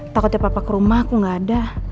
takutnya papa ke rumah aku gak ada